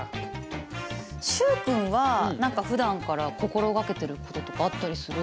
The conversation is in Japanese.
習君は何かふだんから心掛けてることとかあったりする？